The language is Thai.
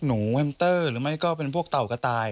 หนูแฮมเตอร์หรือไม่ก็เป็นพวกเต่ากระต่าย